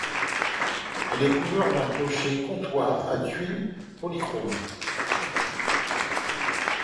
Elle est couverte d'un clocher comtois à tuiles polychromes.